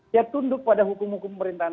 dia tunduk pada hukum hukum pemerintahan